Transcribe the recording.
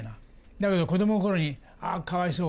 だけど子ども心に、ああ、かわいそう、